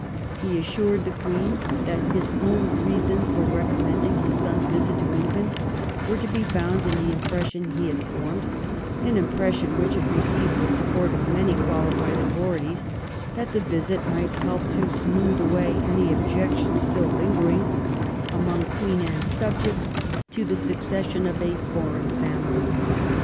He assured the Queen that his only reasons for recommending his son's visit to England were to be found in the impression he had formed — an impression which had received the support of many qualified authorities — that the visit might help to smooth away any objections still lingering among Queen Anne's subjects to the succession of a foreign family.